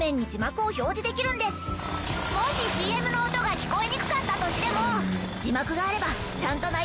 もしＣＭの音が聞こえにくかったとしても。